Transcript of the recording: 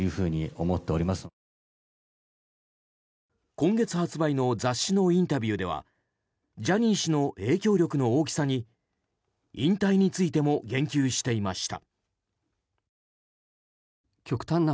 今月発売の雑誌のインタビューではジャニー氏の影響力の大きさに引退についても言及していました。